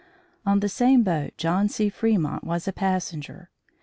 On the same boat John C. Fremont was a passenger.